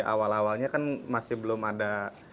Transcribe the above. awal awalnya kan masih belum ada